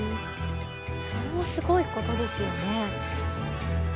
それもすごいことですよね。